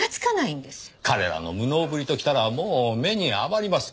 彼らの無能ぶりときたらもう目に余ります。